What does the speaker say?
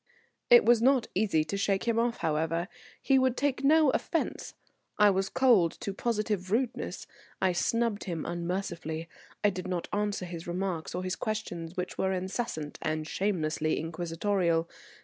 It was not easy to shake him off, however. He would take no offence; I was cold to positive rudeness, I snubbed him unmercifully; I did not answer his remarks or his questions, which were incessant and shamelessly inquisitorial.